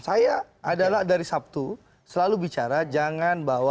saya adalah dari sabtu selalu bicara jangan bawa contekan